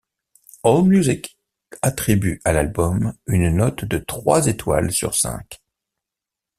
AllMusic attribue à l'album une note de trois étoiles sur cinq.